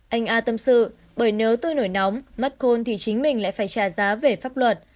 anh a tâm sự bởi nếu tôi nổi nóng mất côn thì chính mình lại phải trả giá về pháp luật